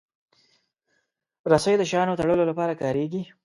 رسۍ د شیانو تړلو لپاره کارېږي.